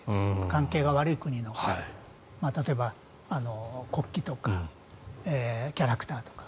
関係が悪い国の例えば国旗とかキャラクターとか。